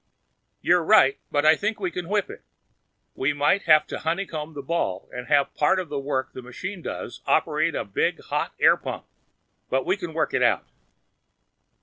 "You're right, but I think we can whip it. We may have to honeycomb the ball and have part of the work the machine does operate a big hot air pump; but we can work it out."